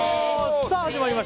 さあ始まりました